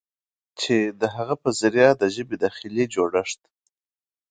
چې د هغه په ذريعه د ژبې داخلي جوړښت